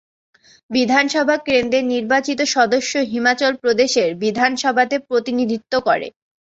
বিধানসভা কেন্দ্রের নির্বাচিত সদস্য হিমাচল প্রদেশের বিধানসভাতে প্রতিনিধিত্ব করে।